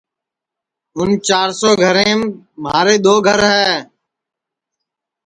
اُن چِار سو گھریم مھارے دؔو گھر ہے